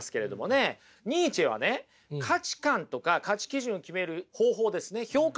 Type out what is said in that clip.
ニーチェはね価値観とか価値基準決める方法ですね評価